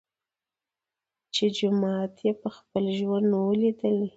چي جومات یې په خپل ژوند نه وو لیدلی